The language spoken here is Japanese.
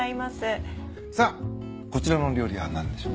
さあこちらの料理は何でしょう？